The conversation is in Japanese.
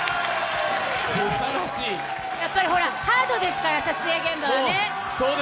ハードですから、撮影現場はね。